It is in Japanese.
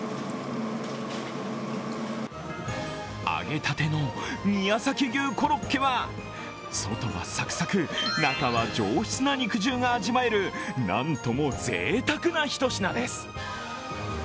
揚げたての宮崎牛コロッケは外はサクサク中は上質な肉汁が味わえるなんともぜいたくな一品です。